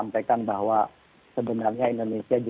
berkesan dan lebih